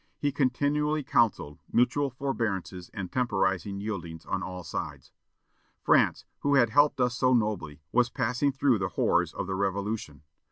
He continually counselled "mutual forbearances and temporizing yieldings on all sides." France, who had helped us so nobly, was passing through the horrors of the Revolution.